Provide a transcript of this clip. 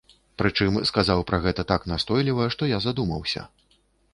Прычым сказаў пра гэта так настойліва, што я задумаўся.